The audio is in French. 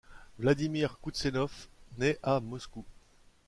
Vladimir Kouznetsov naît à Moscou.